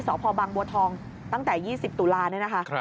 ศภบังบัวทองตั้งแต่๒๐ตุลานะคะ